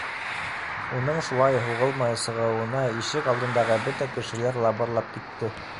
Уның шулай һуғылмай сығыуына ишек алдындағы бөтә кеше лабырлап китте.